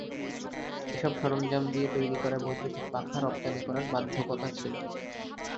এসব সরঞ্জাম দিয়ে তৈরি করা বৈদ্যুতিক পাখা রপ্তানি করার বাধ্যকতা ছিল।